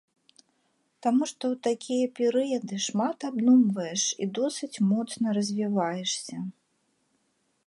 Таму што ў такія перыяды шмат абдумваеш і досыць моцна развіваешся.